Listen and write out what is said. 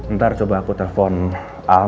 ntar coba aku telpon al